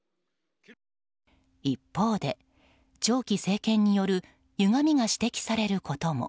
一方で、長期政権によるゆがみが指摘されることも。